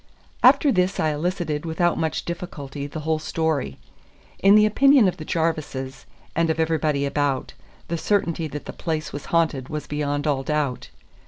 After this I elicited without much difficulty the whole story. In the opinion of the Jarvises, and of everybody about, the certainty that the place was haunted was beyond all doubt.